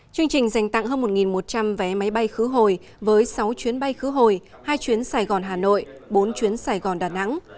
chương trình dành tặng hơn một một trăm linh vé máy bay khứ hồi với sáu chuyến bay khứ hồi hai chuyến sài gòn hà nội bốn chuyến sài gòn đà nẵng